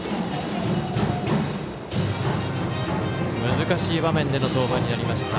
難しい場面での登板になりました